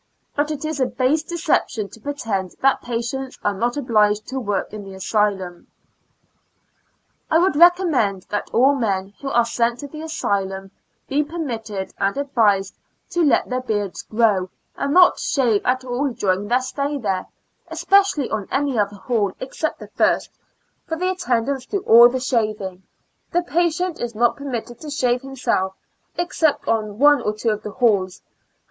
But it is a base deception to pretend that patients are not obliged to work in the asylum. I would recommend that all men who are sent to the asylum be permitted and ad vised to let their beards grow, and not shave at all during their stay there, especially on any other hall 'except the first, for the attendants do all the shaving; the patient is not permitted to shave him self, except on one or two of the halls, and IN A L UNA TIC ASTL UM.